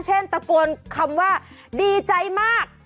ตะโกนคำว่าดีใจมาก